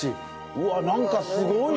うわなんかすごいね。